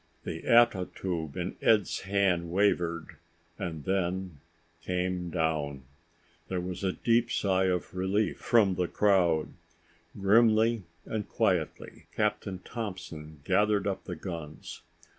The ato tube in Ed's hand wavered and then came down. There was a deep sigh of relief from the crowd. Grimly and quietly, Captain Thompson gathered up the guns.